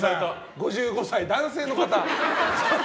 ５５歳、男性の方。